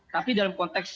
tapi dalam konteks